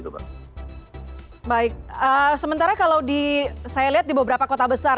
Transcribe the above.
baik sementara kalau saya lihat di beberapa kota besar